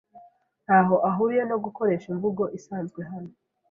ntaho ahuriye no gukoresha imvugo isanzwe Hano